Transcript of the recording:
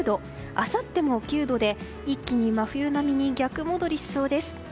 あさっても９度で、一気に真冬並みに逆戻りしそうです。